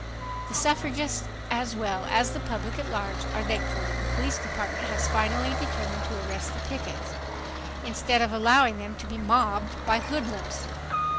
The suffragists as well as the public at large are thankful that the police department has finally determined to arrest the pickets, instead of allowing them to be mobbed by hoodlums